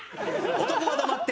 男は黙って。